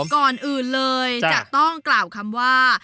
ก่อนอื่นเลยจะต้องกล่าวคำว่า